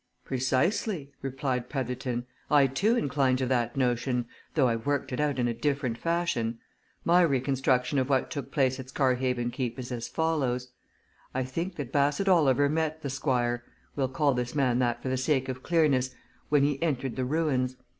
"Precisely," replied Petherton. "I, too, incline to that notion, though I've worked it out in a different fashion. My reconstruction of what took place at Scarhaven Keep is as follows I think that Bassett Oliver met the Squire we'll call this man that for the sake of clearness when he entered the ruins.